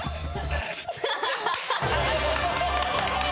アハハハ！